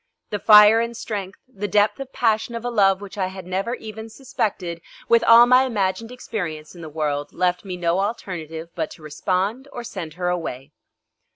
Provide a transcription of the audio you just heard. The fire and strength, the depth of passion of a love which I had never even suspected, with all my imagined experience in the world, left me no alternative but to respond or send her away.